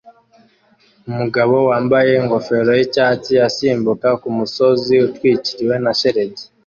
Umugabo wambaye ingofero yicyatsi asimbuka kumusozi utwikiriwe na shelegi